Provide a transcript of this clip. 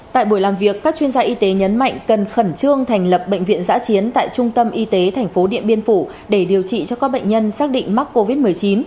tại buổi làm việc các chuyên gia y tế nhấn mạnh cần khẩn trương thành lập bệnh viện giã chiến tại trung tâm y tế tp điện biên phủ để điều trị cho các bệnh nhân xác định mắc covid một mươi chín